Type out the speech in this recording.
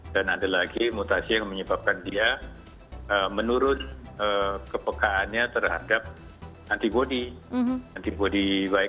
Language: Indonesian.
ada lagi mutasi yang menyebabkan dia menurun kepekaannya terhadap antibody